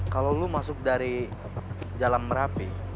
kalau lo masuk dari jalan merapi